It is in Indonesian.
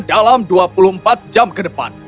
dalam dua puluh empat jam ke depan